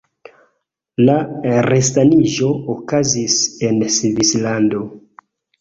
La resaniĝo okazis en Svislando.